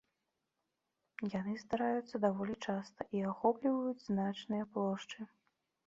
Яны здараюцца даволі часта і ахопліваюць значныя плошчы.